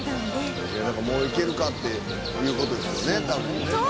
もういけるかっていう事ですよね多分ね。